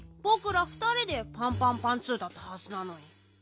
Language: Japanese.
ぼくらふたりでパンパンパンツーだったはずなのに。